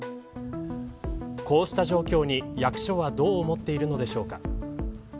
こうした状況に役所はどう思っているのでしょうか。